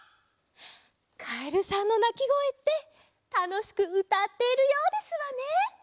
カエルさんのなきごえってたのしくうたっているようですわね。